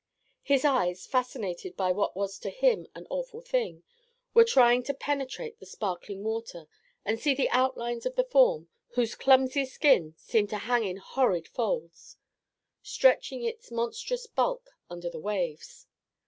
His eyes, fascinated by what was to him an awful thing, were trying to penetrate the sparkling water and see the outlines of the form whose clumsy skin seemed to hang in horrid folds, stretching its monstrous bulk under the waves.